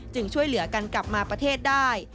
ช่วยเหลือกันกลับมาประเทศได้